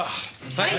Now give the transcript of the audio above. はい！